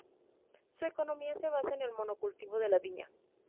Su economía se basa en el monocultivo de la viña.